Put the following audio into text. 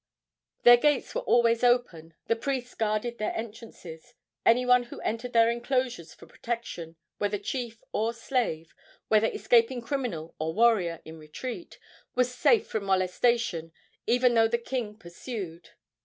Their gates were always open, and priests guarded their entrances. Any one who entered their enclosures for protection, whether chief or slave, whether escaping criminal or warrior in retreat, was safe from molestation, even though the king pursued.